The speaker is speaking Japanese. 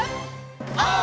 オー！